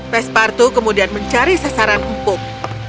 pespartu kemudian mencari sasaran empuk